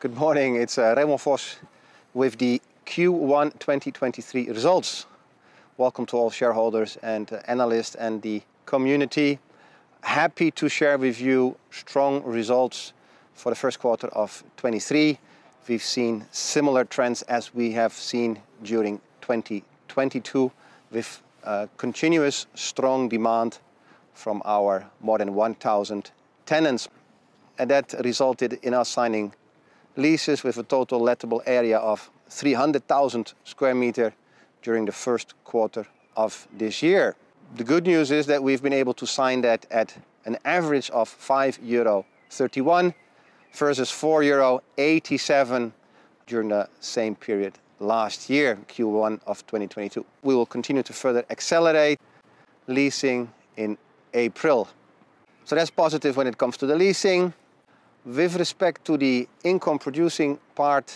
Good morning. It's Remon Vos with the Q1 2023 results. Welcome to all shareholders and analysts and the community. Happy to share with you strong results for the first quarter of 2023. We've seen similar trends as we have seen during 2022 with continuous strong demand from our more than 1,000 tenants. That resulted in us signing leases with a total lettable area of 300,000 square meter during the first quarter of this year. The good news is that we've been able to sign that at an average of 5.31 euro versus 4.87 euro during the same period last year, Q1 of 2022. We will continue to further accelerate leasing in April. That's positive when it comes to the leasing. With respect to the income producing part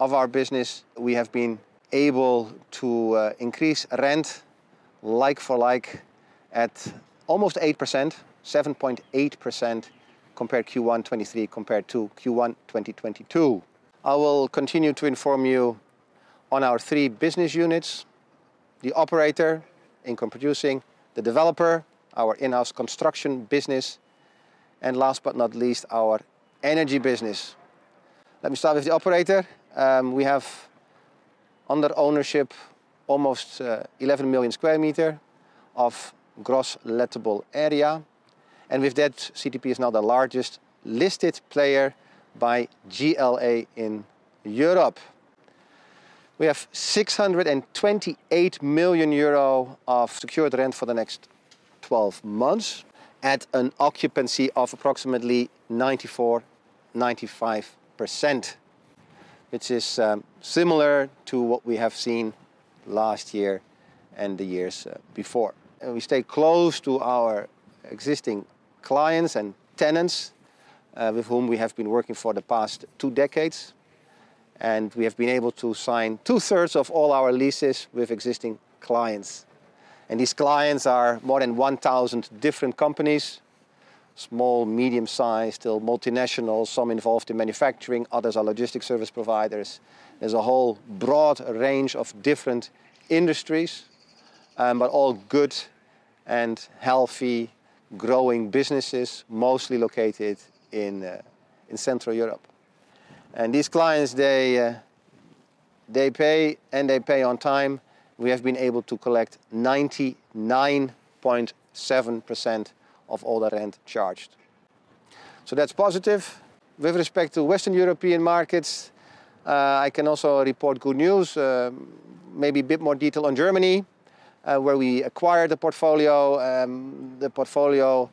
of our business, we have been able to increase rent like for like at almost 8%, 7.8% compared Q1 2023 compared to Q1 2022. I will continue to inform you on our three business units: the operator, income producing; the developer, our in-house construction business; and last but not least, our energy business. Let me start with the operator. We have under ownership almost 11 million square meters of gross lettable area. With that, CTP is now the largest listed player by GLA in Europe. We have 628 million euro of secured rent for the next 12 months at an occupancy of approximately 94%-95%, which is similar to what we have seen last year and the years before. We stay close to our existing clients and tenants, with whom we have been working for the past two decades. We have been able to sign two-thirds of all our leases with existing clients. These clients are more than 1,000 different companies, small, medium-sized, or multinationals, some involved in manufacturing, others are logistic service providers. There's a whole broad range of different industries, but all good and healthy growing businesses, mostly located in Central Europe. These clients, they pay, and they pay on time. We have been able to collect 99.7% of all the rent charged. That's positive. With respect to Western European markets, I can also report good news, maybe a bit more detail on Germany, where we acquired the portfolio. The portfolio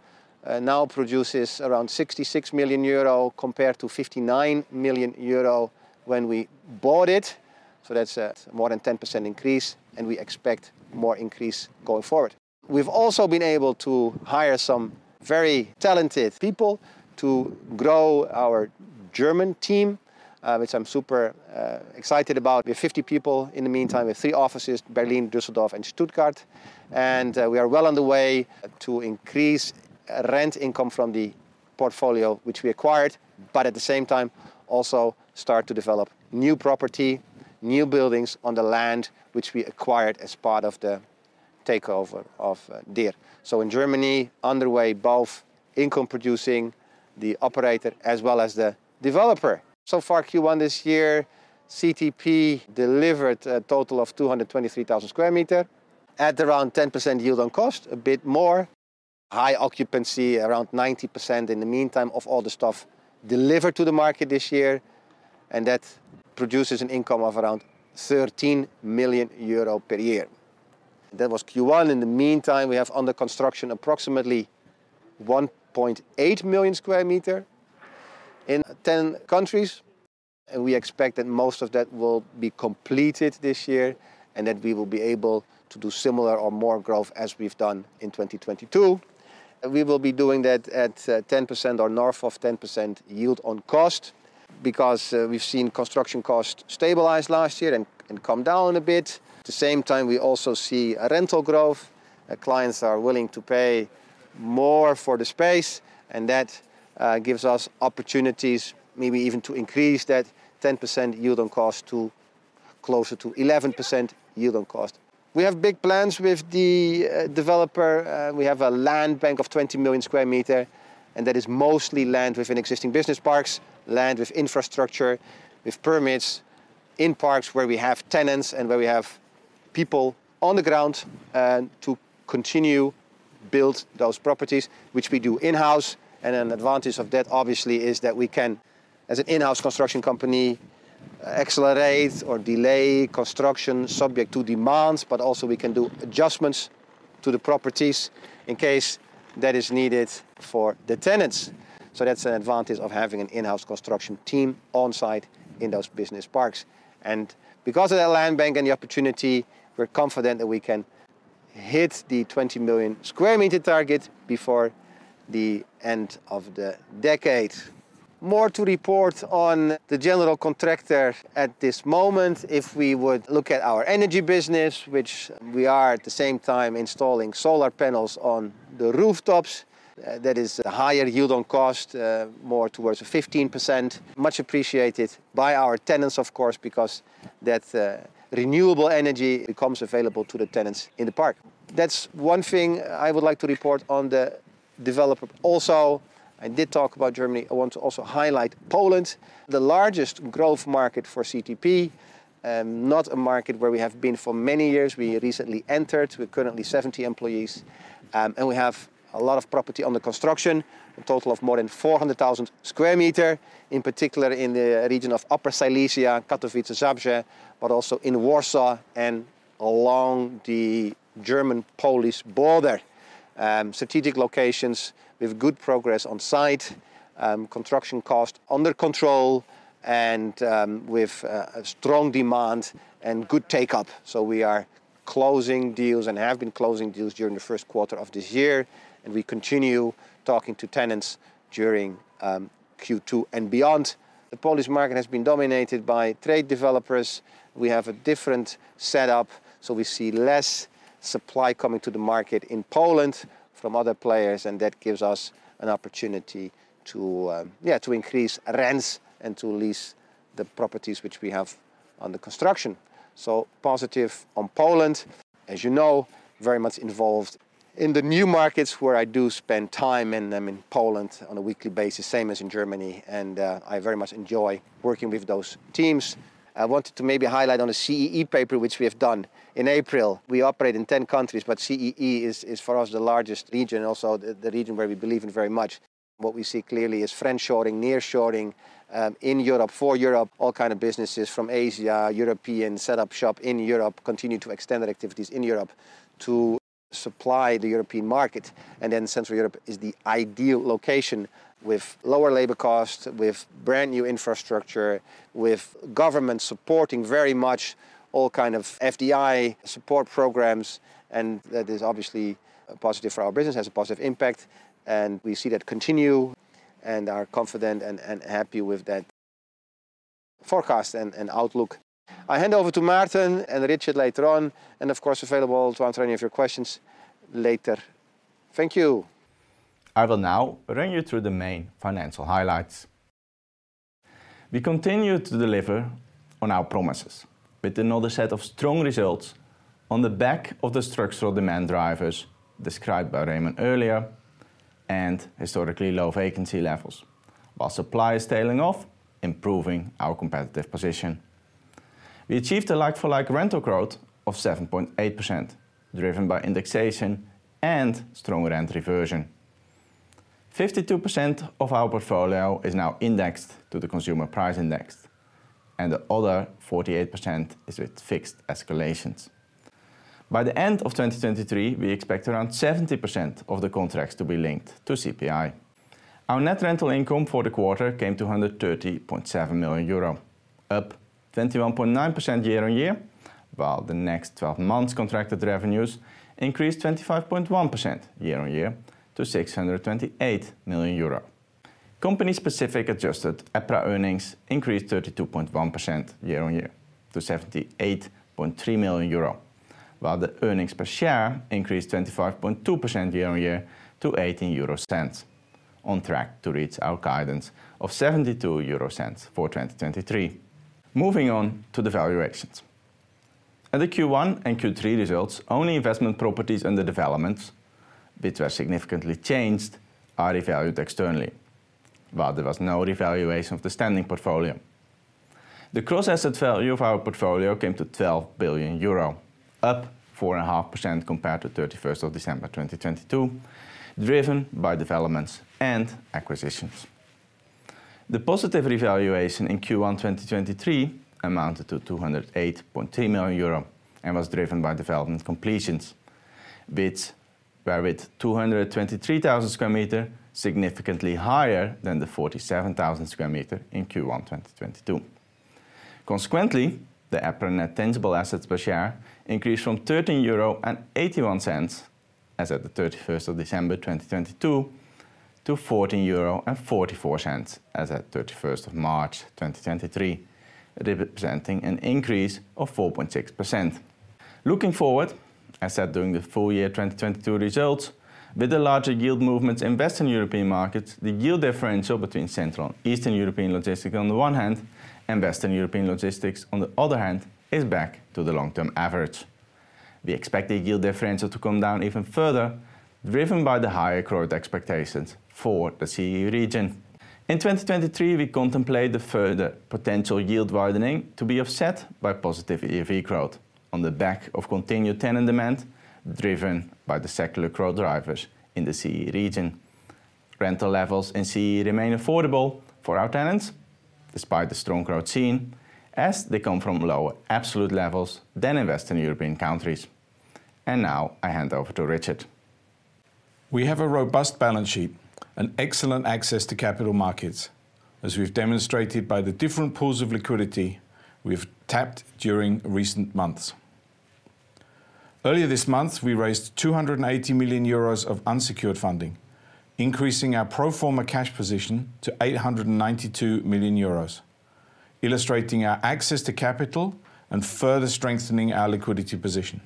now produces around 66 million euro compared to 59 million euro when we bought it. That's a more than 10% increase, and we expect more increase going forward. We've also been able to hire some very talented people to grow our German team, which I'm super excited about. We have 50 people in the meantime. We have three offices: Berlin, Düsseldorf, and Stuttgart. We are well on the way to increase rent income from the portfolio which we acquired but at the same time also start to develop new property, new buildings on the land which we acquired as part of the takeover of DIR. In Germany, underway both income producing, the operator, as well as the developer. Far Q1 this year, CTP delivered a total of 223,000 square meter at around 10% yield on cost, a bit more. High occupancy, around 90% in the meantime of all the stuff delivered to the market this year. That produces an income of around 13 million euro per year. That was Q1. In the meantime, we have under construction approximately 1.8 million square meter in 10 countries. We expect that most of that will be completed this year and that we will be able to do similar or more growth as we've done in 2022. We will be doing that at 10% or north of 10% yield on cost because we've seen construction costs stabilize last year and come down a bit. At the same time, we also see a rental growth. Clients are willing to pay more for the space, and that gives us opportunities maybe even to increase that 10% yield on cost to closer to 11% yield on cost. We have big plans with the developer. We have a land bank of 20 million square meter, and that is mostly land within existing business parks, land with infrastructure, with permits in parks where we have tenants and where we have people on the ground and to continue build those properties, which we do in-house. An advantage of that obviously is that we can, as an in-house construction company, accelerate or delay construction subject to demands, but also we can do adjustments to the properties in case that is needed for the tenants. That's an advantage of having an in-house construction team on site in those business parks. Because of that land bank and the opportunity, we're confident that we can hit the 20 million square meter target before the end of the decade. More to report on the general contractor at this moment. If we would look at our energy business, which we are at the same time installing solar panels on the rooftops, that is a higher yield on cost, more towards 15%. Much appreciated by our tenants of course, because that renewable energy becomes available to the tenants in the park. That's one thing I would like to report on the development. Also, I did talk about Germany. I want to also highlight Poland, the largest growth market for CTP, not a market where we have been for many years. We recently entered with currently 70 employees, and we have a lot of property under construction, a total of more than 400,000 square meter, in particular in the region of Upper Silesia, Katowice, Zabrze, but also in Warsaw and along the German-Polish border. Strategic locations with good progress on site, construction cost under control and, with a strong demand and good take-up. We are closing deals and have been closing deals during the 1st quarter of this year, and we continue talking to tenants during Q2 and beyond. The Polish market has been dominated by trade developers. We have a different setup, so we see less supply coming to the market in Poland from other players, and that gives us an opportunity to increase rents and to lease the properties which we have under construction. Positive on Poland. As you know, very much involved in the new markets where I do spend time, and I'm in Poland on a weekly basis, same as in Germany, and I very much enjoy working with those teams. I wanted to maybe highlight on a CEE paper which we have done. In April, we operate in 10 countries, but CEE is for us the largest region, also the region where we believe in very much. What we see clearly is friendshoring, nearshoring, in Europe, for Europe. All kind of businesses from Asia, European set up shop in Europe, continue to extend their activities in Europe to supply the European market. Central Europe is the ideal location with lower labor costs, with brand-new infrastructure, with government supporting very much all kind of FDI support programs. That is obviously a positive for our business. It has a positive impact, and we see that continue and are confident and happy with that forecast and outlook. I hand over to Maarten and Richard later on. Of course available to answer any of your questions later. Thank you. I will now run you through the main financial highlights. We continue to deliver on our promises with another set of strong results on the back of the structural demand drivers described by Remon earlier and historically low vacancy levels while supply is tailing off, improving our competitive position. We achieved a like-for-like rental growth of 7.8%, driven by indexation and strong rent reversion. 52% of our portfolio is now indexed to the consumer price index, and the other 48% is with fixed escalations. By the end of 2023, we expect around 70% of the contracts to be linked to CPI. Our net rental income for the quarter came to 130.7 million euro, up 21.9% year-on-year, while the next 12 months contracted revenues increased 25.1% year-on-year to 628 million euro. Company-specific adjusted EPRA earnings increased 32.1% year-on-year to 78.3 million euro, while the earnings per share increased 25.2% year-on-year to 0.18. On track to reach our guidance of 0.72 for 2023. Moving on to the valuations. At the Q1 and Q3 results, only investment properties under developments, which were significantly changed, are revalued externally, while there was no revaluation of the standing portfolio. The gross asset value of our portfolio came to 12 billion euro, up 4.5% compared to 31st of December, 2022, driven by developments and acquisitions. The positive revaluation in Q1, 2023 amounted to 208.3 million euro and was driven by development completions, which were, with 223,000 sq meter, significantly higher than the 47,000 sq meter in Q1, 2022. Consequently, the EPRA Net Tangible Assets per share increased from 13.81 euro as at the 31st of December, 2022 to 14.44 euro as at 31st of March, 2023, representing an increase of 4.6%. Looking forward, as at during the full year 2022 results, with the larger yield movements in Western European markets, the yield differential between Central and Eastern European logistics on the one hand and Western European logistics on the other hand is back to the long-term average. We expect the yield differential to come down even further, driven by the higher growth expectations for the CEE region. In 2023, we contemplate the further potential yield widening to be offset by positive ERV growth on the back of continued tenant demand, driven by the secular growth drivers in the CEE region. Rental levels in CEE remain affordable for our tenants despite the strong growth seen as they come from lower absolute levels than in Western European countri es. Now I hand over to Richard. We have a robust balance sheet and excellent access to capital markets, as we've demonstrated by the different pools of liquidity we've tapped during recent months. Earlier this month, we raised 280 million euros of unsecured funding, increasing our pro forma cash position to 892 million euros, illustrating our access to capital and further strengthening our liquidity position.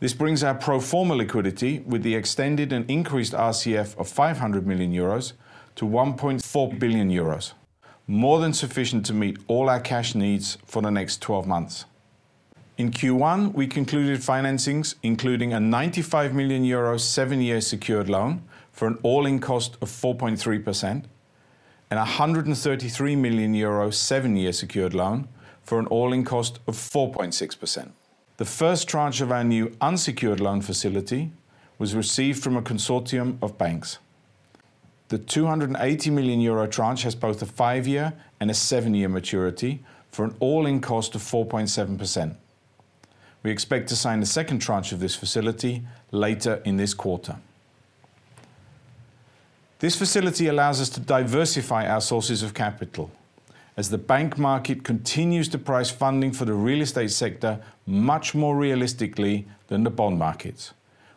This brings our pro forma liquidity with the extended and increased RCF of 500 million euros to 1.4 billion euros. More than sufficient to meet all our cash needs for the next 12 months. In Q1, we concluded financings, including a 95 million euro, 7-year secured loan for an all-in cost of 4.3%, and a EUR 133 million, 7-year secured loan for an all-in cost of 4.6%. The first tranche of our new unsecured loan facility was received from a consortium of banks. The 280 million euro tranche has both a 5-year and a 7-year maturity for an all-in cost of 4.7%. We expect to sign the second tranche of this facility later in this quarter. This facility allows us to diversify our sources of capital as the bank market continues to price funding for the real estate sector much more realistically than the bond market,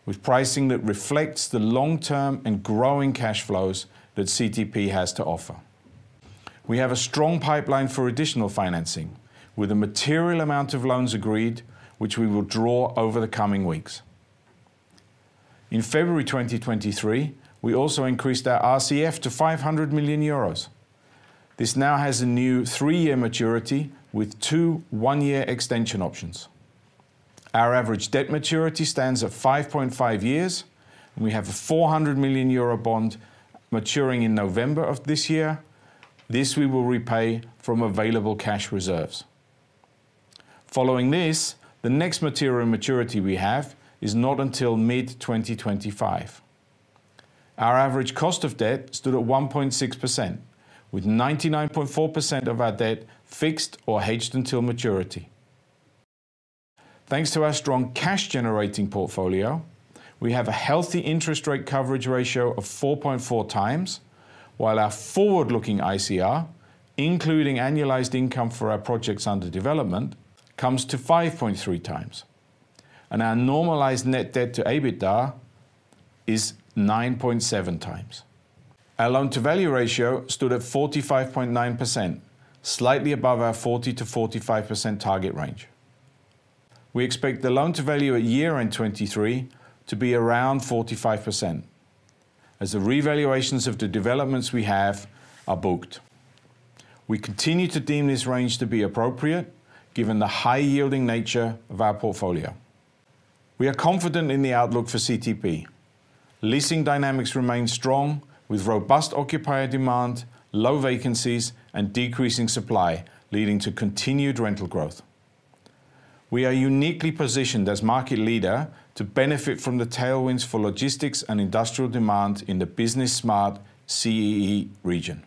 with pricing that reflects the long-term and growing cash flows that CTP has to offer. We have a strong pipeline for additional financing with a material amount of loans agreed, which we will draw over the coming weeks. In February 2023, we also increased our RCF to 500 million euros. This now has a new 3-year maturity with 2 one-year extension options. Our average debt maturity stands at 5.5 years. We have a 400 million euro bond maturing in November of this year. This we will repay from available cash reserves. Following this, the next material maturity we have is not until mid-2025. Our average cost of debt stood at 1.6%, with 99.4% of our debt fixed or hedged until maturity. Thanks to our strong cash generating portfolio, we have a healthy interest rate coverage ratio of 4.4 times, while our forward-looking ICR, including annualized income for our projects under development, comes to 5.3 times. Our normalized net debt to EBITDA is 9.7 times. Our loan to value ratio stood at 45.9%, slightly above our 40%-45% target range. We expect the loan to value at year-end 2023 to be around 45%, as the revaluations of the developments we have are booked. We continue to deem this range to be appropriate given the high yielding nature of our portfolio. We are confident in the outlook for CTP. Leasing dynamics remain strong with robust occupier demand, low vacancies, and decreasing supply, leading to continued rental growth. We are uniquely positioned as market leader to benefit from the tailwinds for logistics and industrial demand in the business smart CEE region.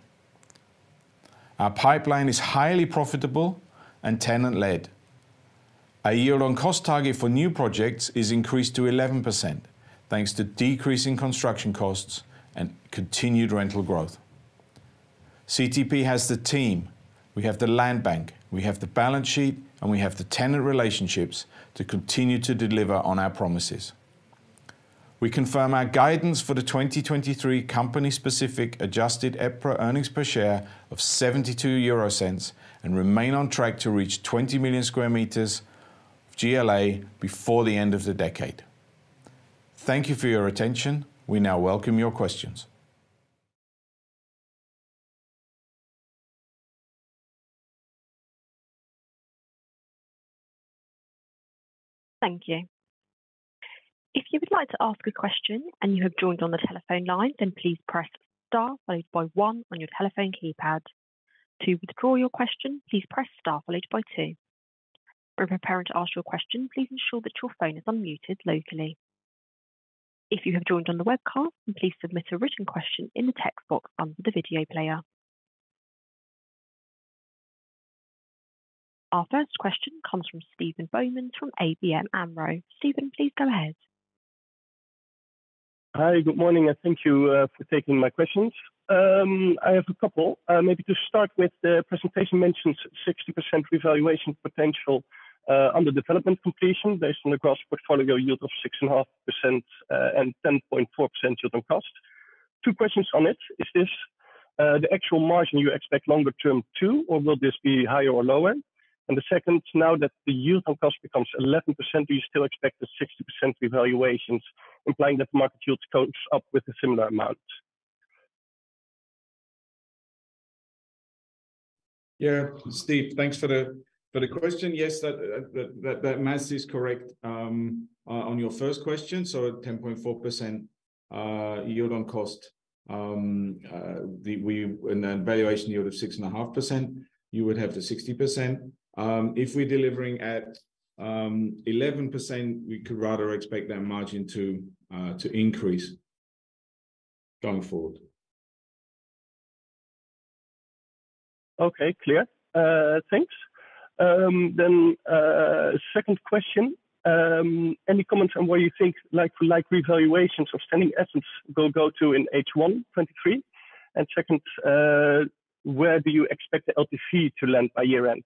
Our pipeline is highly profitable and tenant-led. Our year-long cost target for new projects is increased to 11%, thanks to decreasing construction costs and continued rental growth. CTP has the team, we have the land bank, we have the balance sheet, and we have the tenant relationships to continue to deliver on our promises. We confirm our guidance for the 2023 company-specific adjusted EPRA earnings per share of 0.72 and remain on track to reach 20 million square meters GLA before the end of the decade. Thank you for your attention. We now welcome your questions. Thank you. If you would like to ask a question and you have joined on the telephone line, then please press star followed by one on your telephone keypad. To withdraw your question, please press star followed by two. When preparing to ask your question, please ensure that your phone is unmuted locally. If you have joined on the webcast, then please submit a written question in the text box under the video player. Our first question comes from Steven Boumans from ABN AMRO. Steven, please go ahead. Hi, good morning, thank you for taking my questions. I have a couple. Maybe to start with, the presentation mentions 60% revaluation potential under development completion based on the gross portfolio yield of 6.5%, and 10.4% yield on cost. Two questions on it. Is this the actual margin you expect longer term too, or will this be higher or lower? The second, now that the yield on cost becomes 11%, do you still expect the 60% revaluations implying that the market yields goes up with a similar amount? Yeah. Steve, thanks for the question. Yes. That maths is correct on your first question. At 10.4% yield on cost and a valuation yield of 6.5%, you would have the 60%. If we're delivering at 11%, we could rather expect that margin to increase going forward. Okay. Clear. Thanks. Second question. Any comments on where you think like for like revaluations of standing assets will go to in H1 2023? Second, where do you expect the LTC to land by year-end?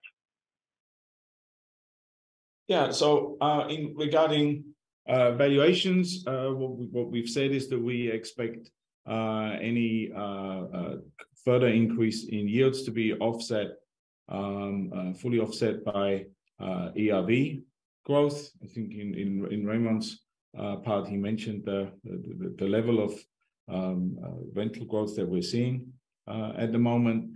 In regarding valuations, what we've said is that we expect any further increase in yields to be offset, fully offset by ERV growth. I think in Remon's part, he mentioned the level of rental growth that we're seeing at the moment.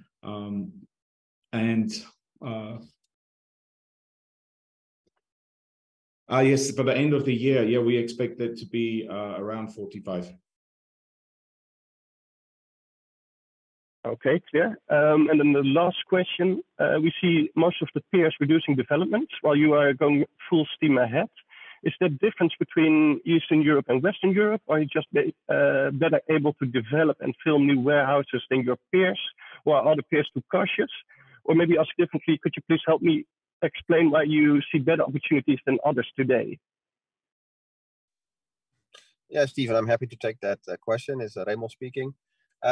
Yes, by the end of the year, we expect it to be around 45%. Okay. Clear. Then the last question. We see most of the peers reducing developments while you are going full steam ahead. Is there a difference between Eastern Europe and Western Europe? Are you just better able to develop and fill new warehouses than your peers, or are other peers too cautious? Could you please help me explain why you see better opportunities than others today? Yeah, Steven, I'm happy to take that question. It's Remon speaking.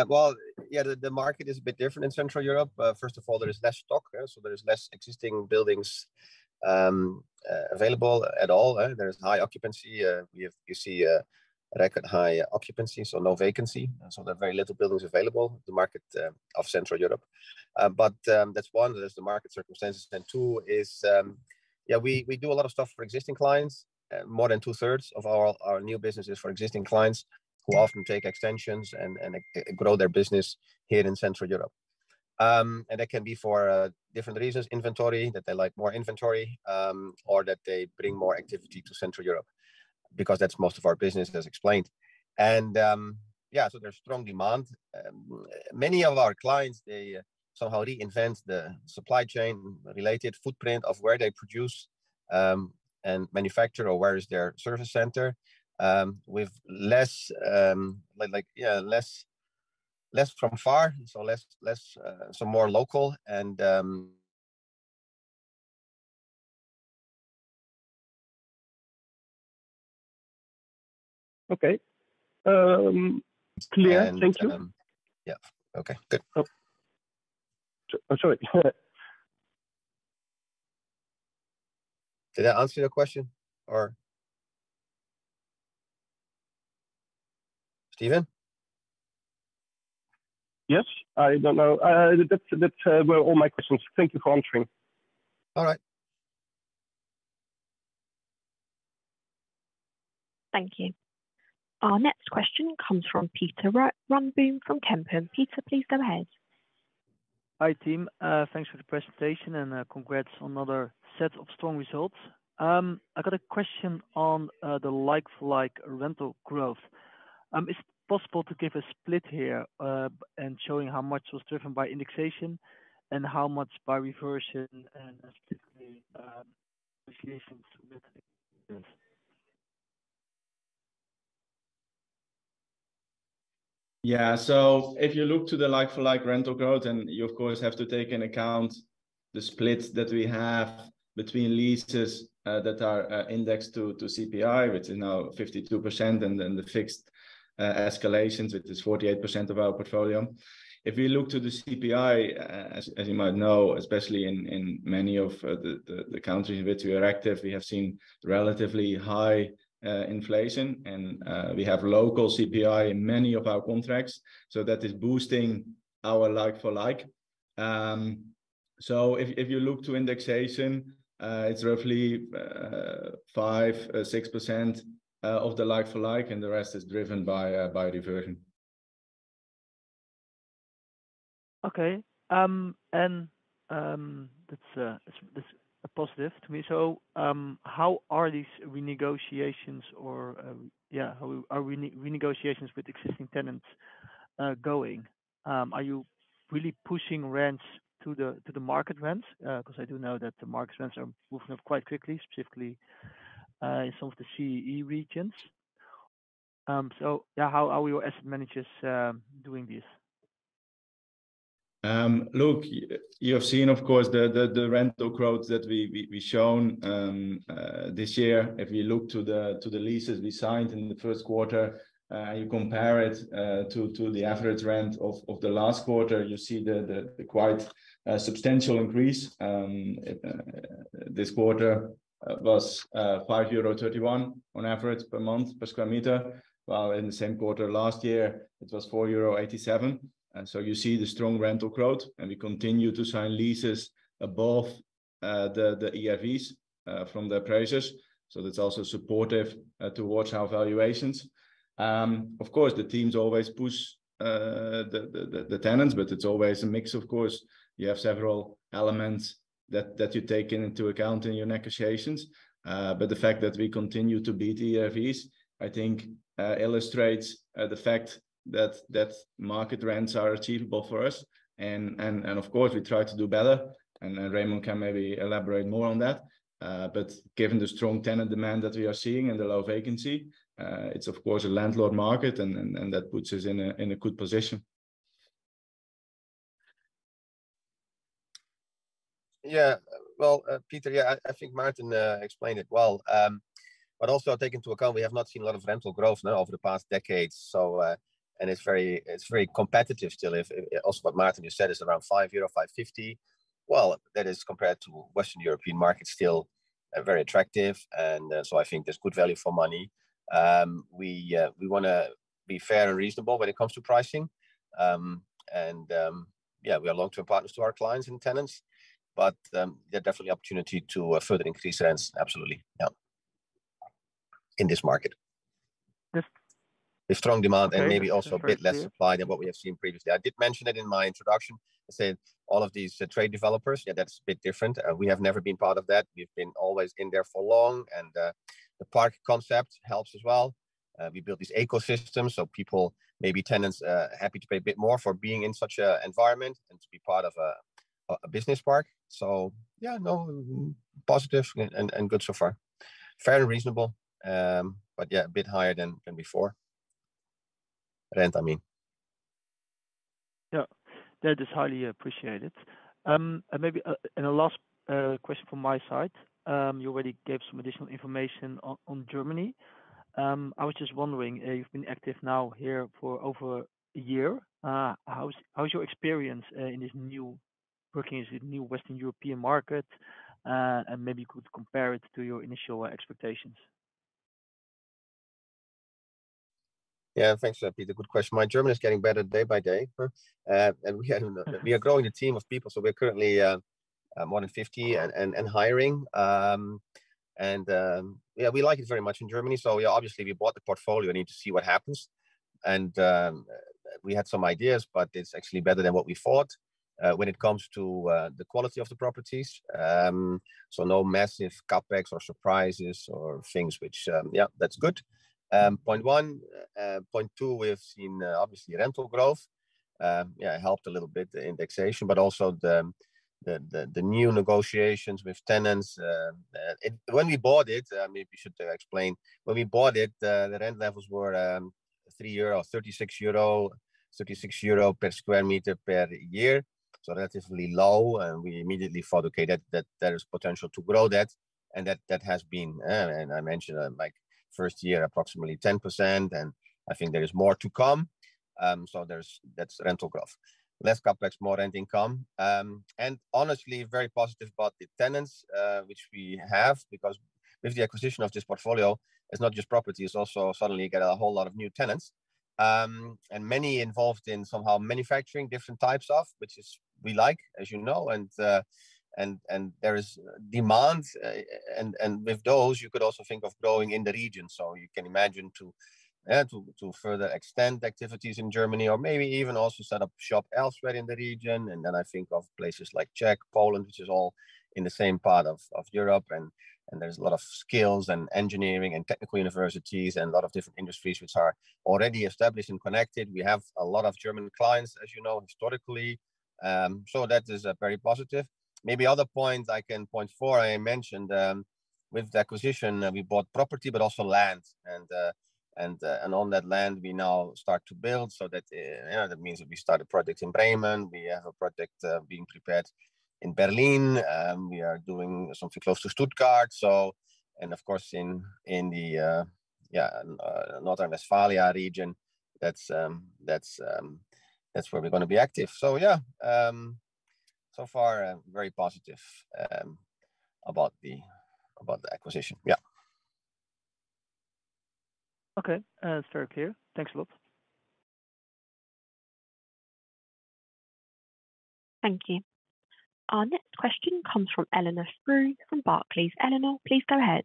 Well, yeah, the market is a bit different in Central Europe. First of all, there is less stock, so there is less existing buildings available at all. There is high occupancy. We see a record high occupancy, so no vacancy. There are very little buildings available, the market of Central Europe. That's one, there's the market circumstances. Two is, yeah, we do a lot of stuff for existing clients. More than two-thirds of all our new business is for existing clients who often take extensions and grow their business here in Central Europe. That can be for different reasons: inventory, that they like more inventory, or that they bring more activity to Central Europe because that's most of our business as explained. There's strong demand. Many of our clients, they somehow reinvent the supply chain related footprint of where they produce and manufacture or where is their service center with less from far, so less, so more local. Okay. clear. And, um- Thank you. Yeah. Okay. Good. Oh. Sorry. Did that answer your question or... Steven? Yes. I don't know. That's were all my questions. Thank you for answering. All right. Thank you. Our next question comes from Pieter Runia from Kempen. Pieter, please go ahead. Hi, team. Thanks for the presentation. Congrats on another set of strong results. I got a question on the like-for-like rental growth. Is it possible to give a split here, showing how much was driven by indexation and how much by reversion and specifically, associations with this? Yeah. If you look to the like-for-like rental growth, and you of course have to take in account the splits that we have between leases, that are indexed to CPI, which is now 52%, and then the fixed escalations, which is 48% of our portfolio. If you look to the CPI, as you might know, especially in many of the countries in which we are active, we have seen relatively high inflation and we have local CPI in many of our contracts. That is boosting our like for like. If you look to indexation, it's roughly 5% or 6% of the like for like, and the rest is driven by reversion. That's, that's a positive to me. How are these renegotiations or, yeah, how are renegotiations with existing tenants going? Are you really pushing rents to the market rents? 'Cause I do know that the market rents are moving up quite quickly, specifically in some of the CEE regions. Yeah, how are your asset managers doing this? Look, you have seen, of course, the rental growth that we've shown this year. If you look to the leases we signed in the first quarter, you compare it to the average rent of the last quarter, you see the quite substantial increase. This quarter was 5.31 euro on average per month per square meter, while in the same quarter last year, it was 4.87 euro. You see the strong rental growth, and we continue to sign leases above the ERVs from the appraisers. That's also supportive towards our valuations. Of course, the teams always push the tenants, but it's always a mix, of course. You have several elements that you take into account in your negotiations. The fact that we continue to beat ERVs, I think, illustrates the fact that market rents are achievable for us. Of course, we try to do better, and Remon can maybe elaborate more on that. Given the strong tenant demand that we are seeing and the low vacancy, it's of course a landlord market and that puts us in a good position. Yeah. Well, Pieter, yeah, I think Maarten explained it well. Also take into account we have not seen a lot of rental growth now over the past decades. It's very competitive still if... Also what Maarten just said, it's around 5 euro, 5.50. Well, that is compared to Western European markets still very attractive, and I think there's good value for money. We wanna be fair and reasonable when it comes to pricing. Yeah, we are long-term partners to our clients and tenants. Yeah, definitely opportunity to further increase rents, absolutely, yeah, in this market. Yes. The strong demand Okay. That's very clear.... and maybe also a bit less supply than what we have seen previously. I did mention it in my introduction. I said all of these trade developers, yeah, that's a bit different. We have never been part of that. We've been always in there for long, and the park concept helps as well. We build these ecosystems, so people, maybe tenants, are happy to pay a bit more for being in such an environment and to be part of a business park. Yeah, no, positive and good so far. Fair and reasonable, but yeah, a bit higher than before. Rent, I mean. Yeah. That is highly appreciated. Maybe, and a last, question from my side. You already gave some additional information on Germany. I was just wondering, you've been active now here for over a year. How's your experience working in this new Western European market? Maybe you could compare it to your initial expectations. Yeah. Thanks, Pieter. Good question. My German is getting better day by day. We are growing a team of people, so we're currently more than 50 and hiring. Yeah, we like it very much in Germany, so we obviously, we bought the portfolio. Need to see what happens. We had some ideas, but it's actually better than what we thought when it comes to the quality of the properties. No massive CapEx or surprises or things which... Yeah, that's good, point 1. Point 2, we have seen obviously rental growth. It helped a little bit, the indexation, but also the new negotiations with tenants. When we bought it, maybe we should explain. When we bought it, the rent levels were 3 euro, 36 euro per square meter per year, so relatively low. We immediately thought, okay, that is potential to grow that has been, and I mentioned, like first year approximately 10%, and I think there is more to come. That's rental growth. Less CapEx, more rent income. Honestly very positive about the tenants, which we have because with the acquisition of this portfolio, it's not just property. It's also suddenly you get a whole lot of new tenants, and many involved in somehow manufacturing different types of, which we like, as you know. There is demand, and with those you could also think of growing in the region. You can imagine to further extend activities in Germany or maybe even also set up shop elsewhere in the region. Then I think of places like Czech, Poland, which is all in the same part of Europe and there's a lot of skills and engineering and technical universities and a lot of different industries which are already established and connected. We have a lot of German clients, as you know, historically. That is very positive. Maybe other points I can point for, I mentioned, with the acquisition, we bought property but also land and on that land we now start to build. That, you know, that means that we start a project in Bremen. We have a project being prepared in Berlin. We are doing something close to Stuttgart. Of course in the yeah, North Rhine-Westphalia region, that's where we're gonna be active. Yeah, so far I'm very positive about the acquisition. Yeah. Okay. It's very clear. Thanks a lot. Thank you. Our next question comes from Eleanor Frew from Barclays. Eleanor, please go ahead.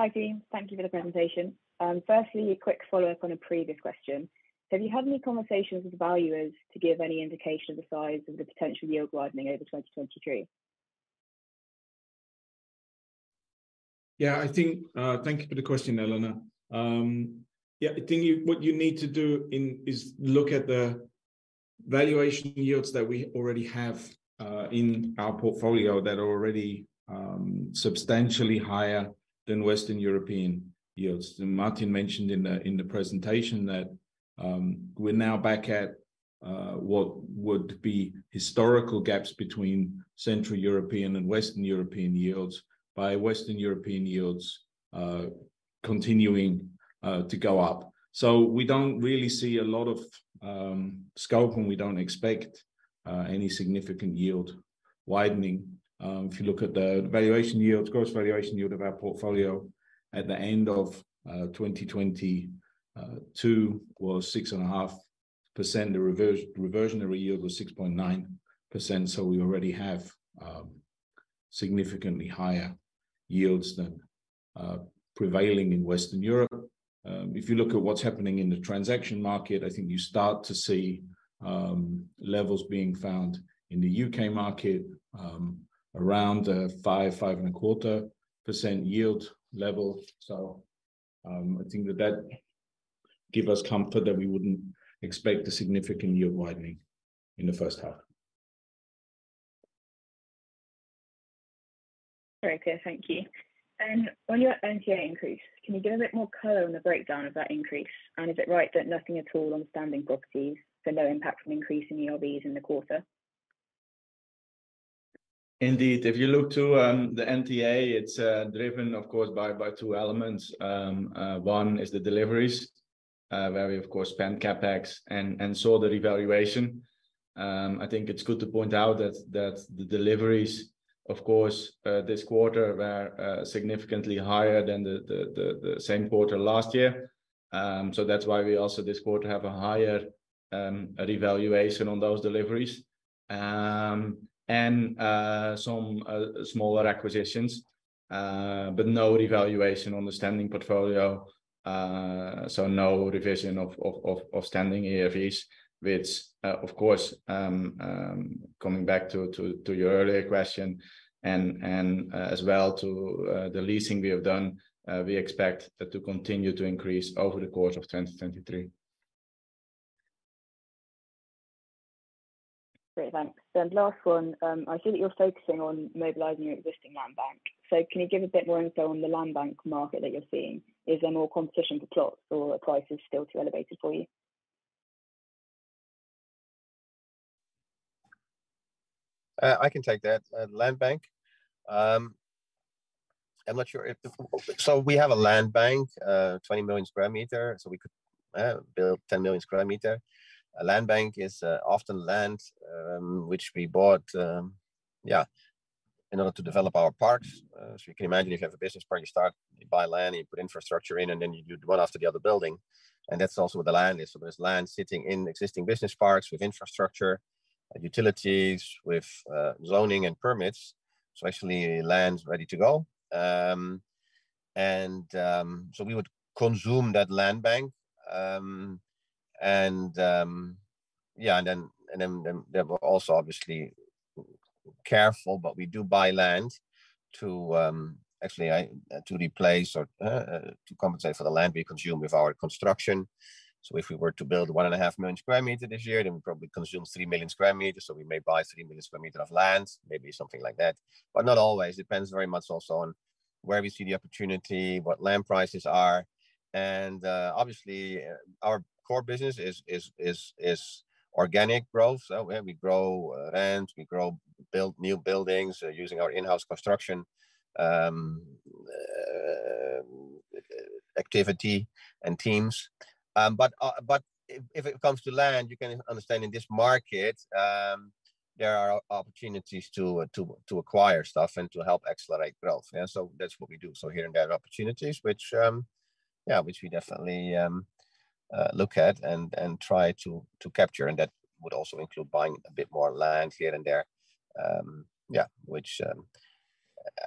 Hi, team. Thank you for the presentation. Firstly, a quick follow-up on a previous question. Have you had any conversations with valuers to give any indication of the size of the potential yield widening over 2023? Yeah. I think, Thank you for the question, Eleanor. Yeah, I think what you need to do is look at the valuation yields that we already have in our portfolio that are already substantially higher than Western European yields. Maarten mentioned in the presentation that we're now back at what would be historical gaps between Central European and Western European yields by Western European yields continuing to go up. We don't really see a lot of scope, and we don't expect any significant yield widening. If you look at the valuation yields, gross valuation yield of our portfolio at the end of 2022 was 6.5%. The reversionary yield was 6.9%. We already have significantly higher yields than prevailing in Western Europe. If you look at what's happening in the transaction market, I think you start to see levels being found in the U.K. market around 5.25% yield level. I think that that give us comfort that we wouldn't expect a significant yield widening in the first half. Very clear. Thank you. On your NTA increase, can you give a bit more color on the breakdown of that increase? Is it right that nothing at all on standing properties, so no impact from increase in ERBs in the quarter? Indeed. If you look to the NTA, it's driven, of course, by two elements. One is the deliveries, where we of course spend CapEx and saw the revaluation. I think it's good to point out that the deliveries, of course, this quarter were significantly higher than the same quarter last year. That's why we also this quarter have a higher revaluation on those deliveries. Some smaller acquisitions, but no revaluation on the standing portfolio. No revision of standing ERVs, which, of course, coming back to your earlier question and as well to the leasing we have done, we expect that to continue to increase over the course of 2023. Great. Thanks. Last one. I see that you're focusing on mobilizing your existing land bank. Can you give a bit more info on the land bank market that you're seeing? Is there more competition for plots or are prices still too elevated for you? I can take that. Land bank. I'm not sure. We have a land bank, 20 million square meter, so we could build 10 million square meter. A land bank is often land which we bought in order to develop our parks. You can imagine if you have a business park, you start, you buy land, you put infrastructure in, and then you one after the other building. That's also what the land is. There's land sitting in existing business parks with infrastructure, utilities, with zoning and permits, so actually lands ready to go. We would consume that land bank. Yeah, and then, and then we're also obviously careful, but we do buy land to, actually, to replace or, to compensate for the land we consume with our construction. If we were to build 1.5 million square meter this year, then we probably consume 3 million square meters, so we may buy 3 million square meter of lands, maybe something like that. Not always. Depends very much also on where we see the opportunity, what land prices are. Obviously our core business is organic growth. Yeah, we grow, lands, build new buildings using our in-house construction, activity and teams. If it comes to land, you can understand in this market, there are opportunities to acquire stuff and to help accelerate growth. Yeah. That's what we do. Here and there opportunities which we definitely look at and try to capture, and that would also include buying a bit more land here and there, which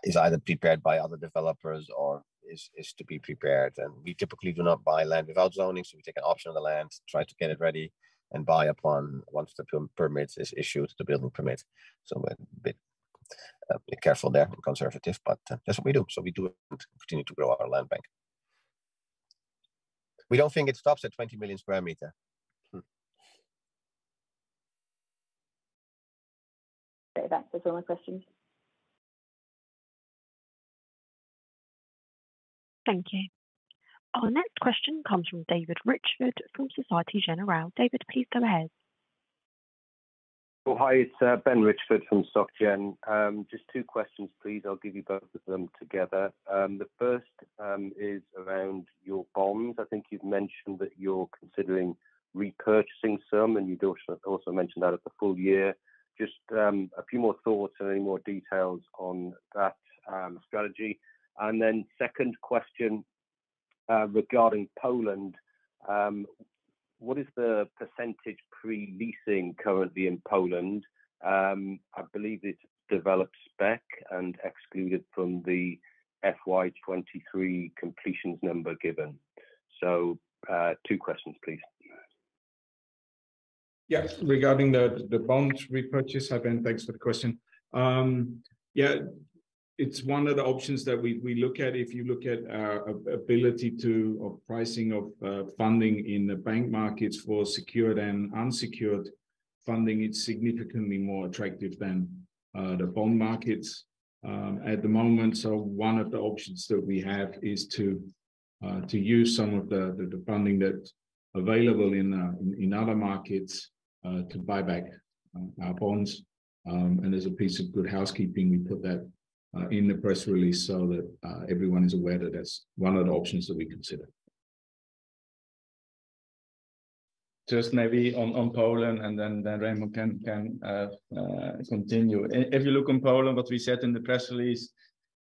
is either prepared by other developers or is to be prepared. We typically do not buy land without zoning, so we take an option on the land to try to get it ready and buy upon once the permits is issued, the building permits. We're a bit careful there and conservative, that's what we do. We do continue to grow our land bank. We don't think it stops at 20 million square meter. Okay. That's all my questions. Thank you. Our next question comes from Ben Richford from Societe Generale. David, please go ahead. Hi, it's Ben Richford from Soc Gen. Just two questions, please. I'll give you both of them together. The first is around your bonds. I think you've mentioned that you're considering repurchasing some, and you'd also mentioned that at the full year. Just a few more thoughts or any more details on that strategy. Second question, regarding Poland, what is the % pre-leasing currently in Poland? I believe it's developed spec and excluded from the FY23 completions number given. Two questions please. Yes. Regarding the bonds repurchase, hi Ben, thanks for the question. It's one of the options that we look at. If you look at ability of pricing of funding in the bank markets for secured and unsecured funding, it's significantly more attractive than the bond markets at the moment. One of the options that we have is to use some of the funding that's available in other markets to buy back our bonds. As a piece of good housekeeping, we put that in the press release so that everyone is aware that that's one of the options that we consider. Just maybe on Poland, Remon can continue. If you look in Poland, what we said in the press release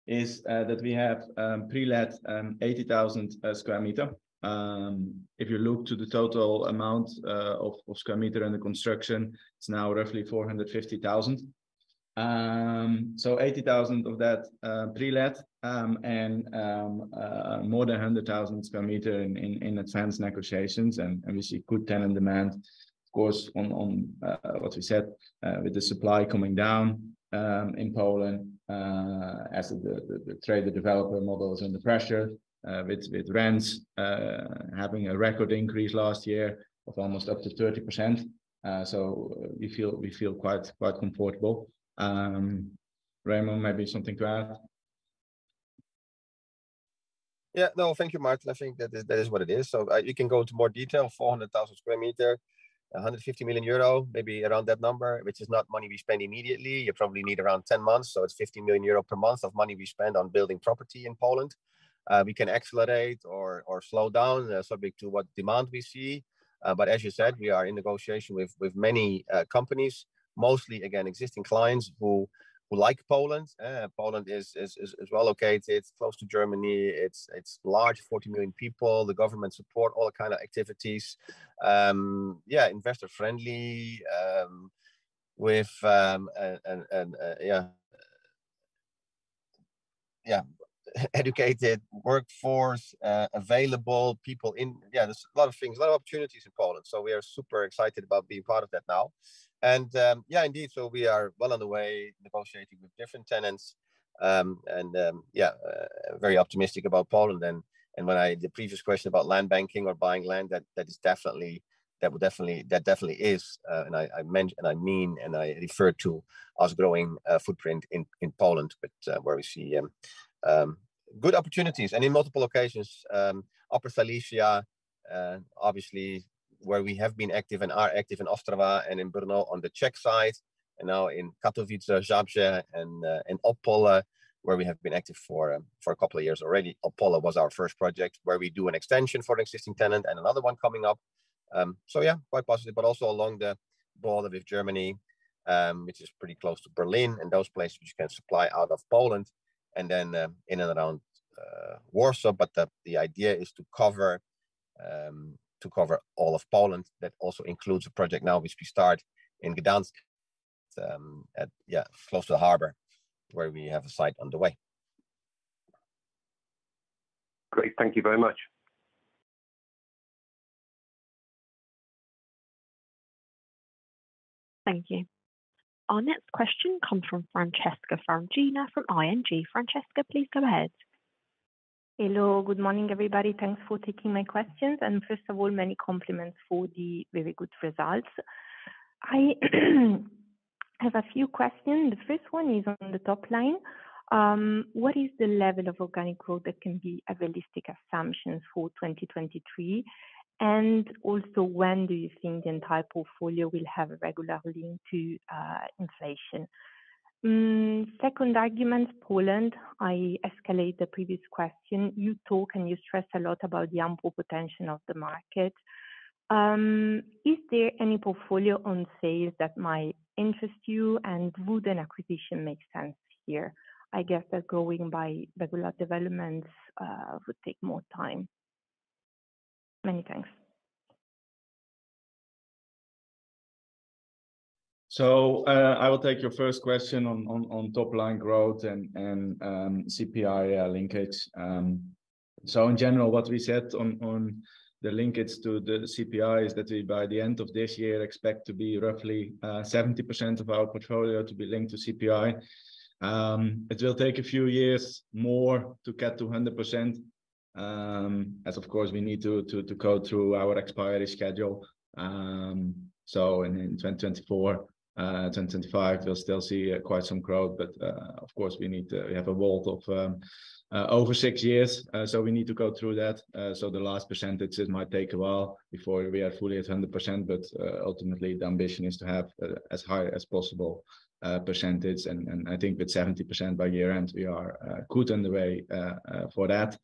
is that we have pre-let 80,000 square meter. If you look to the total amount of square meter under construction, it's now roughly 450,000. 80,000 of that pre-let, and more than 100,000 square meter in advance negotiations and obviously good tenant demand, of course, on what we said with the supply coming down in Poland, as the trade, the developer models and the pressure with rents having a record increase last year of almost up to 30%. We feel quite comfortable. Remon, maybe something to add? Yeah. No, thank you, Maarten. I think that is what it is. You can go into more detail, 400,000 square meter, 150 million euro, maybe around that number, which is not money we spend immediately. You probably need around 10 months, it's 50 million euro per month of money we spend on building property in Poland. We can accelerate or slow down, subject to what demand we see. As you said, we are in negotiation with many companies, mostly, again, existing clients who like Poland. Poland is well located. It's close to Germany. It's large, 40 million people. The government support all kind of activities. Yeah, investor-friendly, with educated workforce, available people in... Yeah, there's a lot of things, a lot of opportunities in Poland. We are super excited about being part of that now. Indeed, we are well on the way negotiating with different tenants, very optimistic about Poland. The previous question about land banking or buying land, that is definitely, that definitely is, and I mean, and I refer to us growing a footprint in Poland, but where we see good opportunities. In multiple occasions, Upper Silesia, obviously where we have been active and are active in Ostrava and in Brno on the Czech side, and now in Katowice, Zabrze, and in Opole where we have been active for a couple of years already. Opole was our first project where we do an extension for an existing tenant and another one coming up. Yeah, quite positive, but also along the border with Germany, which is pretty close to Berlin and those places which you can supply out of Poland and then in and around Warsaw. The idea is to cover all of Poland. That also includes a project now which we start in Gdansk, at yeah, close to the harbor where we have a site underway. Great. Thank you very much. Thank you. Our next question comes from Francesca Ferragina from ING. Francesca, please go ahead. Hello. Good morning, everybody. Thanks for taking my questions. First of all, many compliments for the very good results. I have a few questions. The first one is on the top line. What is the level of organic growth that can be a realistic assumption for 2023? Also, when do you think the entire portfolio will have a regular link to inflation? Second argument, Poland. I escalate the previous question. You talk and you stress a lot about the ample potential of the market. Is there any portfolio on sale that might interest you, and would an acquisition make sense here? I guess that growing by regular developments would take more time. Many thanks. So, uh, I will take your first question on, on, on top line growth and, and, um, CPI, uh, linkage. Um, so in general, what we said on, on the linkage to the CPI is that we, by the end of this year, expect to be roughly, uh, seventy percent of our portfolio to be linked to CPI. Um, it will take a few years more to get to hundred percent, um, as of course we need to, to, to go through our expiry schedule. Um, so in, in twenty twenty-four, uh, twenty twenty-five, we'll still see, uh, quite some growth. But, uh, of course, we need to... We have a vault of, um, uh, over six years, uh, so we need to go through that. Uh, so the last percentages might take a while before we are fully at hundred percent. Ultimately, the ambition is to have as high as possible percentage. And I think with 70% by year-end, we are good on the way for that.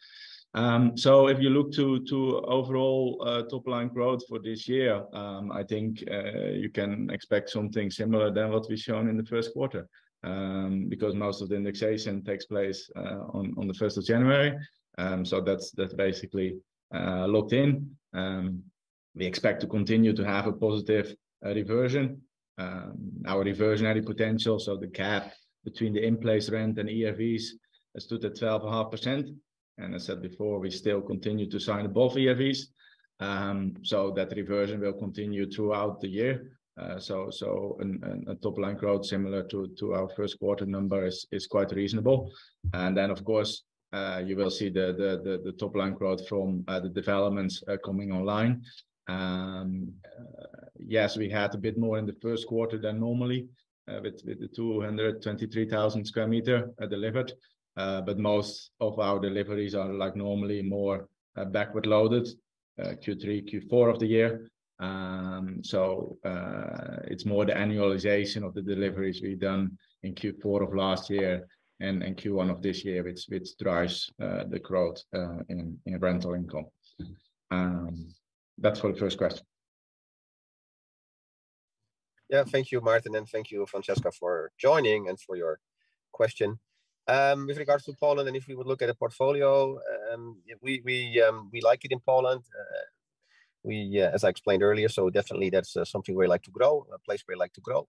If you look to overall top line growth for this year, I think you can expect something similar than what we've shown in the first quarter, because most of the indexation takes place on the first of January. That's basically locked in. We expect to continue to have a positive reversion. Our reversionary potential, so the gap between the in-place rent and ERVs stood at 12.5%. I said before, we still continue to sign above ERVs, that reversion will continue throughout the year. So and a top-line growth similar to our first quarter number is quite reasonable. Then, of course, you will see the top-line growth from the developments coming online. Yes, we had a bit more in the first quarter than normally, with the 223,000 square meter delivered. But most of our deliveries are like normally more backward-loaded, Q3, Q4 of the year. So, it's more the annualization of the deliveries we've done in Q4 of last year and in Q1 of this year which drives the growth in rental income. That's for the first question. Thank you, Maarten, and thank you, Francesca, for joining and for your question. With regards to Poland, and if we would look at the portfolio, we, we like it in Poland. We, as I explained earlier, definitely that's something we like to grow, a place we like to grow.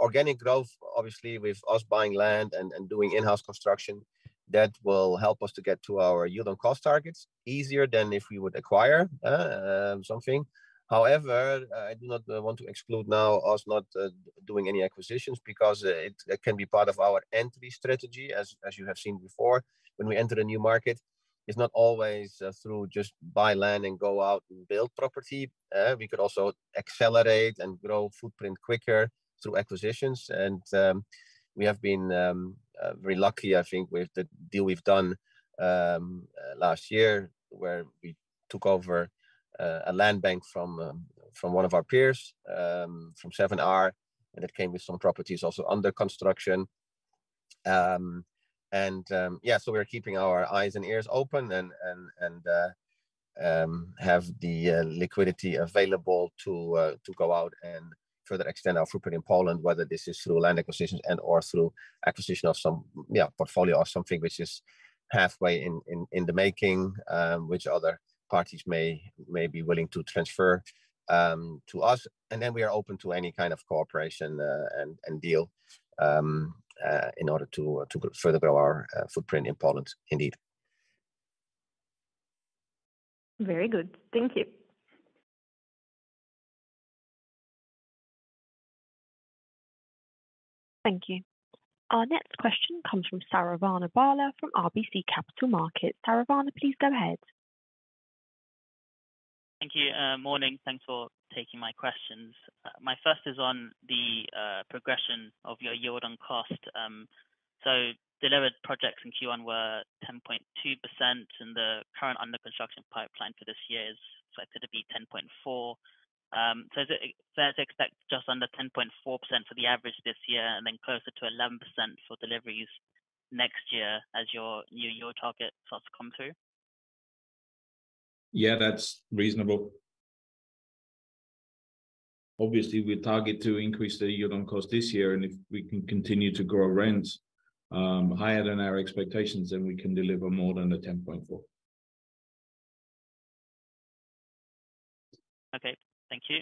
Organic growth, obviously with us buying land and doing in-house construction, that will help us to get to our yield on cost targets easier than if we would acquire something. However, I do not want to exclude now us not doing any acquisitions because it can be part of our entry strategy. As, as you have seen before, when we enter a new market, it's not always through just buy land and go out and build property. We could also accelerate and grow footprint quicker through acquisitions. We have been very lucky, I think, with the deal we've done last year where we took over a land bank from one of our peers, from 7R, and it came with some properties also under construction. Yeah, so we are keeping our eyes and ears open and have the liquidity available to go out and further extend our footprint in Poland, whether this is through land acquisitions and/or through acquisition of some, yeah, portfolio or something which is halfway in the making, which other parties may be willing to transfer to us. We are open to any kind of cooperation, and deal, in order to further grow our footprint in Poland indeed. Very good. Thank you. Thank you. Our next question comes from Saravana Bala from RBC Capital Markets. Saravana, please go ahead. Thank you. Morning. Thanks for taking my questions. My first is on the progression of your yield on cost. Delivered projects in Q1 were 10.2%, and the current under construction pipeline for this year is selected to be 10.4%. Is it fair to expect just under 10.4% for the average this year and then closer to 11% for deliveries next year as your year yield target starts to come through? Yeah, that's reasonable. Obviously, we target to increase the yield on cost this year, and if we can continue to grow rents, higher than our expectations, then we can deliver more than the 10.4%. Okay, thank you.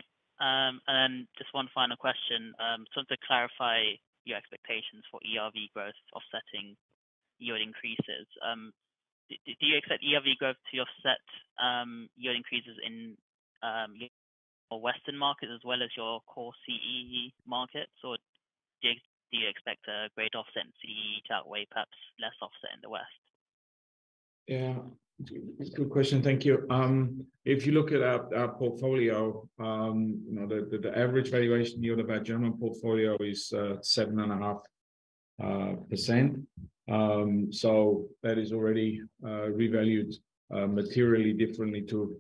Just one final question, sort of to clarify your expectations for ERV growth offsetting yield increases. Do you expect ERV growth to offset yield increases in more Western markets as well as your core CEE markets? Do you expect a great offset in CEE to outweigh perhaps less offset in the West? Yeah. Good question. Thank you. If you look at our portfolio, you know, the average valuation yield of our general portfolio is 7.5%. That is already revalued materially differently to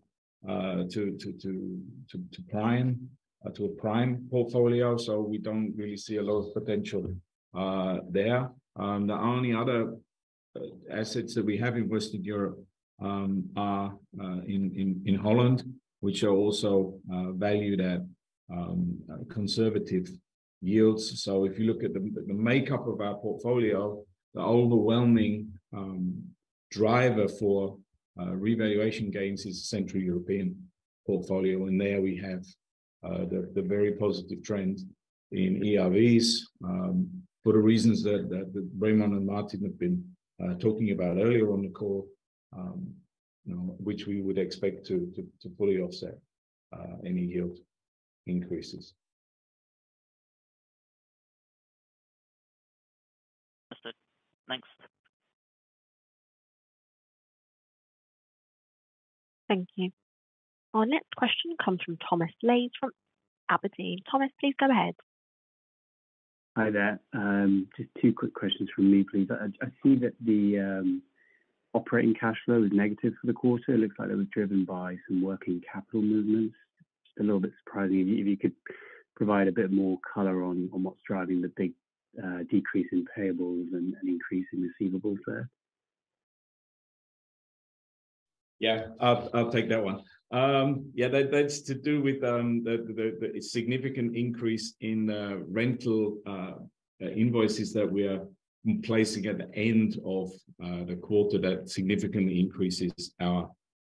prime to a prime portfolio. We don't really see a lot of potential there. The only other assets that we have in Western Europe are in Holland, which are also valued at conservative yields. If you look at the makeup of our portfolio, the overwhelming driver for revaluation gains is the Central European portfolio. There we have the very positive trends in ERVs, for the reasons that Remon and Martin have been talking about earlier on the call, you know, which we would expect to fully offset any yield increases. Understood. Thanks. Thank you. Our next question comes from Thomas Lade from Aberdeen. Thomas, please go ahead. Hi there. Just two quick questions from me, please. I see that the operating cash flow is negative for the quarter. It looks like it was driven by some working capital movements. Just a little bit surprising. If you could provide a bit more color on what's driving the big decrease in payables and an increase in receivables there. Yeah. I'll take that one. Yeah, that's to do with the significant increase in rental invoices that we are placing at the end of the quarter that significantly increases our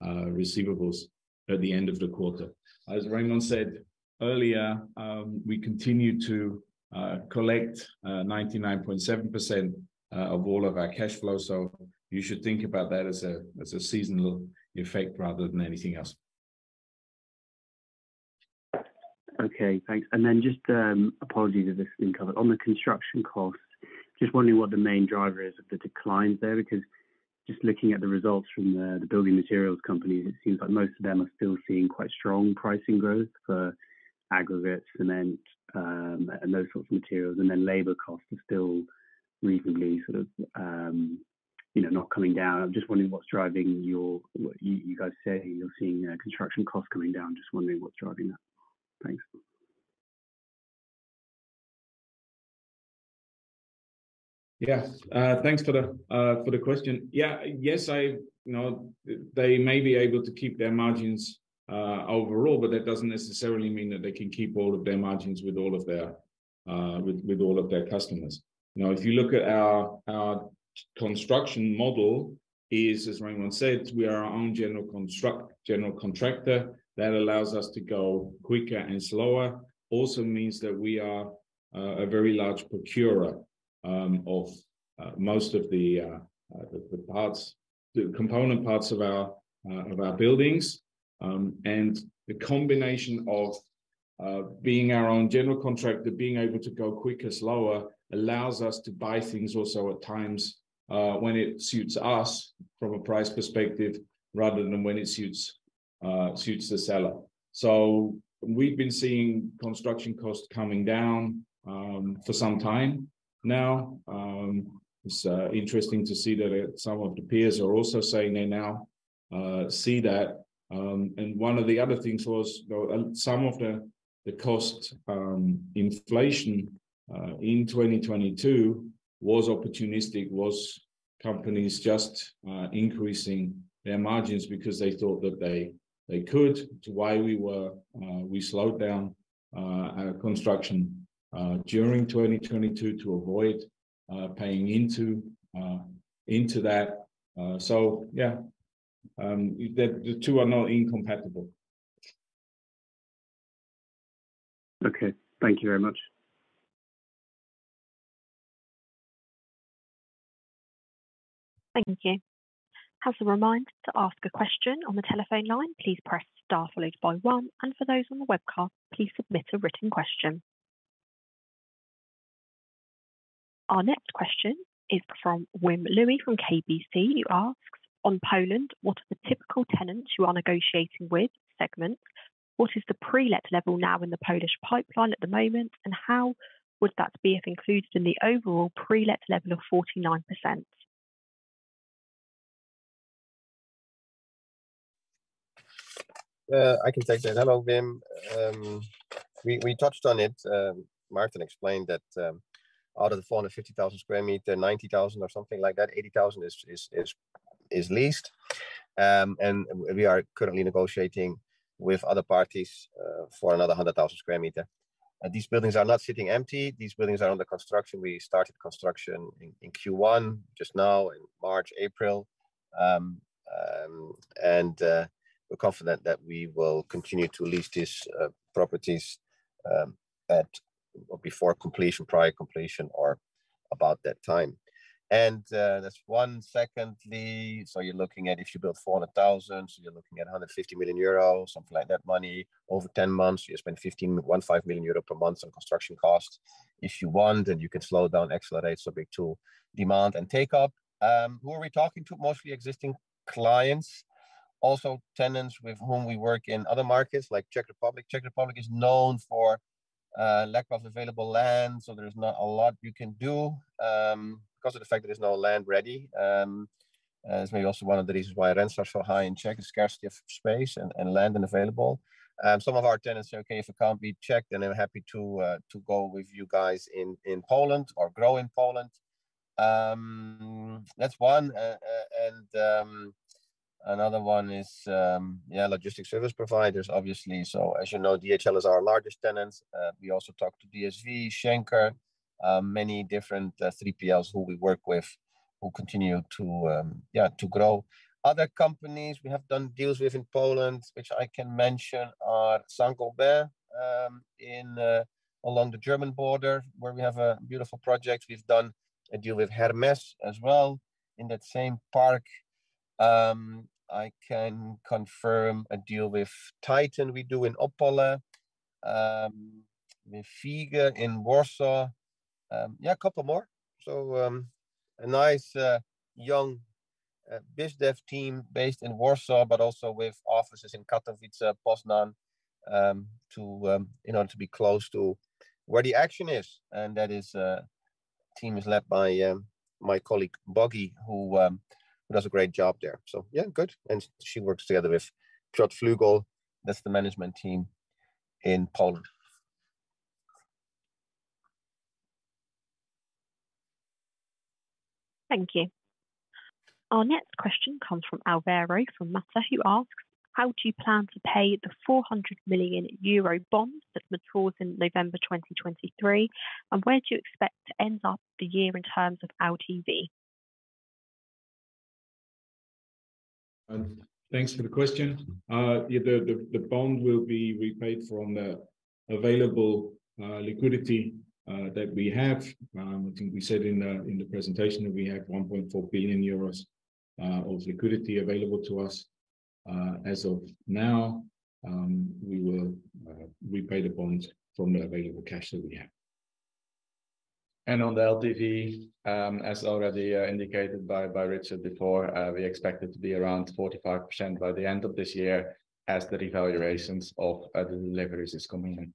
receivables at the end of the quarter. As Remon said earlier, we continue to collect 99.7% of all of our cash flow. You should think about that as a seasonal effect rather than anything else. Okay, thanks. Just, apologies if this has been covered. On the construction cost, just wondering what the main driver is of the declines there, because just looking at the results from the building materials companies, it seems like most of them are still seeing quite strong pricing growth for aggregate cement, and those sorts of materials. Labor costs are still reasonably sort of, you know, not coming down. I'm just wondering what's driving What you guys say you're seeing construction costs coming down. Just wondering what's driving that. Thanks. Thanks for the question. Yes, I, you know, they may be able to keep their margins overall, but that doesn't necessarily mean that they can keep all of their margins with all of their customers. If you look at our construction model is, as Remon said, we are our own general contractor. That allows us to go quicker and slower. Also means that we are a very large procurer of most of the parts, the component parts of our buildings. The combination of being our own general contractor, being able to go quicker, slower, allows us to buy things also at times when it suits us from a price perspective rather than when it suits the seller. We've been seeing construction costs coming down for some time now. It's interesting to see that some of the peers are also saying that now. See that. One of the other things was, you know, and some of the cost inflation in 2022 was opportunistic, was companies just increasing their margins because they thought that they could. It's why we slowed down our construction during 2022 to avoid paying into that. Yeah, the two are not incompatible. Okay. Thank you very much. Thank you. As a reminder, to ask a question on the telephone line, please press Star followed by One. For those on the webcast, please submit a written question. Our next question is from Wim Lewi from KBC, who asks: "On Poland, what are the typical tenants you are negotiating with segments? What is the pre-let level now in the Polish pipeline at the moment, and how would that be if included in the overall pre-let level of 49%? I can take that. Hello, Wim. We touched on it. Maarten explained that out of the 450,000 square meter, 90,000 or something like that, 80,000 is leased. We are currently negotiating with other parties for another 100,000 square meter. These buildings are not sitting empty. These buildings are under construction. We started construction in Q1, just now in March, April. We're confident that we will continue to lease these properties at or before completion, prior completion or about that time. That's one. Secondly, you're looking at if you build 400,000, you're looking at 150 million euro, something like that money over 10 months. You spend 15 million euro per month on construction costs. If you want, then you can slow down accelerate. It's a big tool. Demand and take up, who are we talking to? Mostly existing clients, also tenants with whom we work in other markets, like Czech Republic. Czech Republic is known for lack of available land, so there's not a lot you can do because of the fact that there's no land ready. It's maybe also one of the reasons why rent is so high in Czech, the scarcity of space and land unavailable. Some of our tenants say, "Okay, if it can't be Czech, then I'm happy to go with you guys in Poland or grow in Poland." That's one. Another one is, yeah, logistic service providers, obviously. As you know, DHL is our largest tenants. We also talk to DSV, Schenker, many different 3PLs who we work with who continue to grow. Other companies we have done deals with in Poland, which I can mention are Saint-Gobain, in along the German border, where we have a beautiful project. We've done a deal with Hermes as well in that same park. I can confirm a deal with Titan we do in Opole, with Fiege in Warsaw. A couple more. A nice young biz dev team based in Warsaw, but also with offices in Katowice, Poznan, in order to be close to where the action is. That team is led by my colleague Bogi, who does a great job there. Good. She works together with Piotr Flugel. That's the management team in Poland. Thank you. Our next question comes from Alvaro Mata, who asks: "How do you plan to pay the 400 million euro bond that matures in November 2023? Where do you expect to end up the year in terms of LTV? Thanks for the question. Yeah, the bond will be repaid from the available liquidity that we have. I think we said in the presentation that we have 1.4 billion euros of liquidity available to us. As of now, we will repay the bonds from the available cash that we have. On the LTV, as already indicated by Richard before, we expect it to be around 45% by the end of this year as the revaluations of other deliveries is coming in.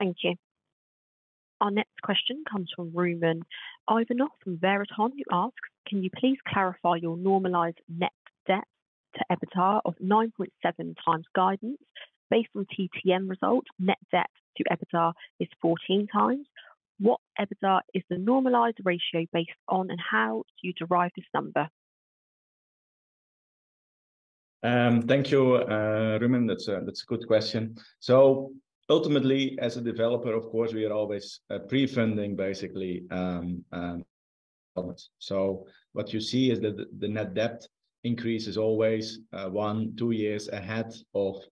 Thank you. Our next question comes from Ruben Ivanov from Berenberg, who asks: "Can you please clarify your normalized net debt to EBITDA of 9.7x guidance? Based on TTM results, net debt to EBITDA is 14x. What EBITDA is the normalized ratio based on, and how do you derive this number? Thank you, Ruben. That's a good question. Ultimately, as a developer, of course, we are always pre-funding basically developments. What you see is the net debt increase is always 1, 2 years ahead of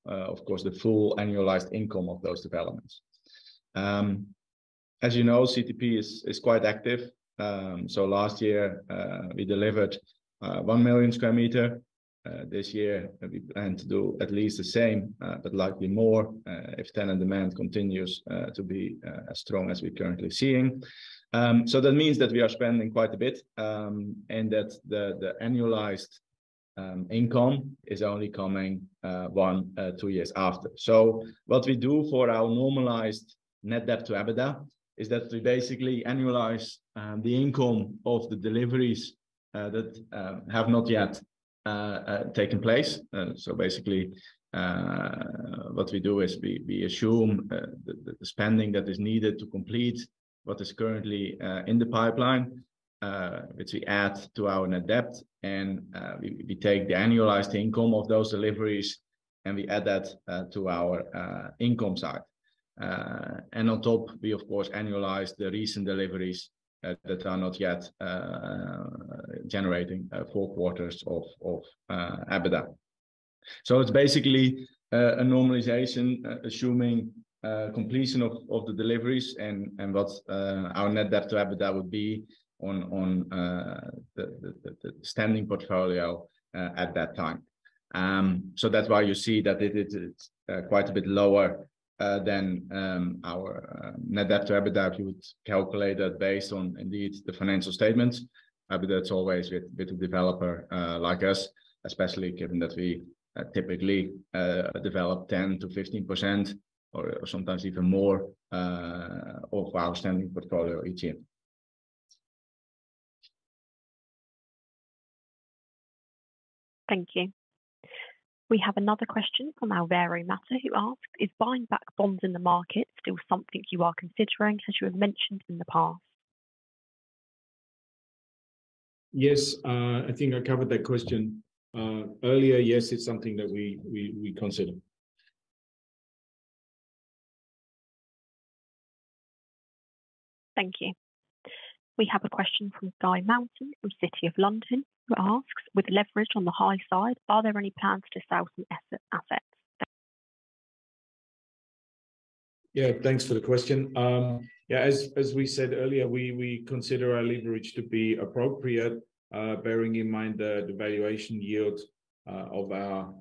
course, the full annualized income of those developments. As you know, CTP is quite active. Last year, we delivered 1 million square meter. This year we plan to do at least the same, but likely more, if tenant demand continues to be as strong as we're currently seeing. That means that we are spending quite a bit, and that the annualized. Income is only coming 1 2 years after. What we do for our normalized net debt to EBITDA is that we basically annualize the income of the deliveries that have not yet taken place. Basically, what we do is we assume the spending that is needed to complete what is currently in the pipeline, which we add to our net debt. We take the annualized income of those deliveries, and we add that to our income side. On top, we of course annualize the recent deliveries that are not yet generating 4 quarters of EBITDA. It's basically a normalization assuming completion of the deliveries and what's our net debt to EBITDA would be on the standing portfolio at that time. That's why you see that it's quite a bit lower than our net debt to EBITDA. If you would calculate that based on indeed the financial statements, EBITDA it's always with a developer like us, especially given that we typically develop 10%-15% or sometimes even more of our standing portfolio each year. Thank you. We have another question from Alvaro Mata who asks, "Is buying back bonds in the market still something you are considering as you have mentioned in the past? Yes. I think I covered that question earlier. Yes, it's something that we consider. Thank you. We have a question from Guy Mountain from City of London who asks, "With leverage on the high side, are there any plans to sell some assets? Yeah, thanks for the question. Yeah, as we said earlier, we consider our leverage to be appropriate, bearing in mind the valuation yield of our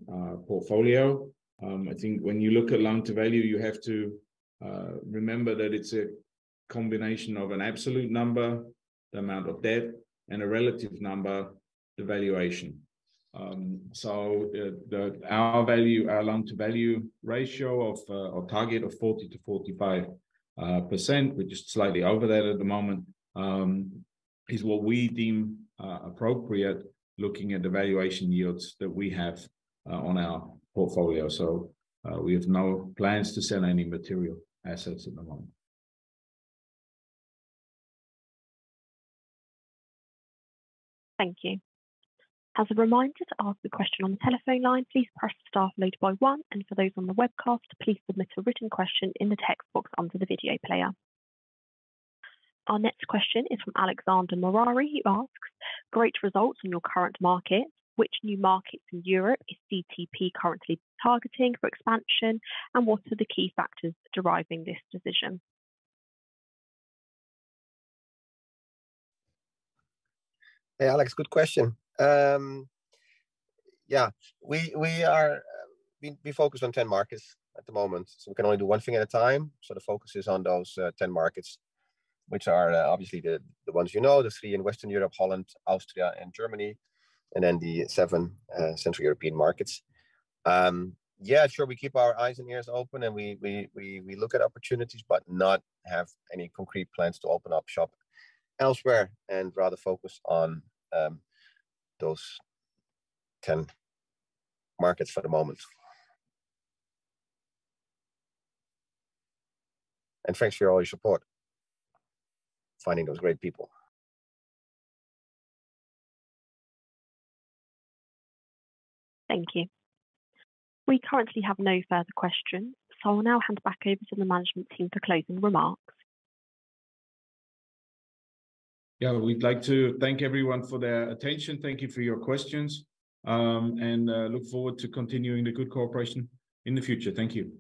portfolio. I think when you look at loan to value, you have to remember that it's a combination of an absolute number, the amount of debt, and a relative number, the valuation. Our loan to value ratio or target of 40%-45%, we're just slightly over that at the moment, is what we deem appropriate looking at the valuation yields that we have on our portfolio. We have no plans to sell any material assets at the moment. Thank you. As a reminder, to ask a question on the telephone line, please press star followed by one. For those on the webcast, please submit a written question in the text box under the video player. Our next question is from Alexandru Morar who asks, "Great results from your current markets. Which new markets in Europe is CTP currently targeting for expansion, and what are the key factors deriving this decision? Hey, Alex. Good question. Yeah, we focus on 10 markets at the moment, so we can only do one thing at a time, so the focus is on those 10 markets, which are obviously the ones you know, the three in Western Europe, Holland, Austria and Germany, and then the seven Central European markets. Yeah, sure we keep our eyes and ears open and we look at opportunities, but not have any concrete plans to open up shop elsewhere, and rather focus on those 10 markets for the moment. Thanks for all your support. Finding those great people. Thank you. We currently have no further questions. I'll now hand back over to the management team for closing remarks. Yeah. We'd like to thank everyone for their attention. Thank you for your questions. Look forward to continuing the good cooperation in the future. Thank you.